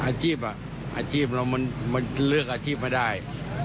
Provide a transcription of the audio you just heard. อาชีพเหลือกอาชีพไม่ได้